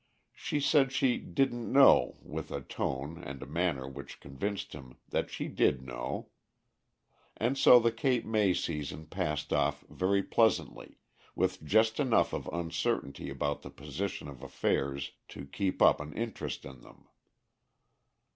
She said she "didn't know" with a tone and manner which convinced him that she did know; and so the Cape May season passed off very pleasantly, with just enough of uncertainty about the position of affairs to keep up an interest in them.